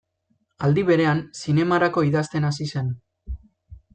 Aldi berean, zinemarako idazten hasi zen.